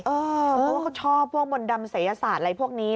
เพราะว่าเขาชอบพวกมนต์ดำศัยศาสตร์อะไรพวกนี้